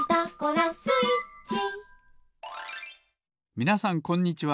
みなさんこんにちは。